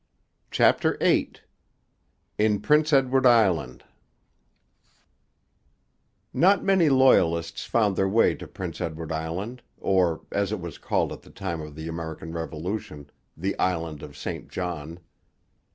CHAPTER VIII IN PRINCE EDWARD ISLAND Not many Loyalists found their way to Prince Edward Island, or, as it was called at the time of the American Revolution, the Island of St John.